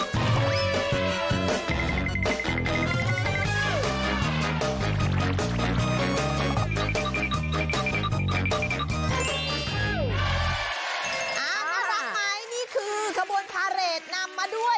น่ารักไหมนี่คือขบวนพาเรทนำมาด้วย